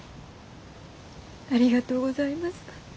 ありがとうございます。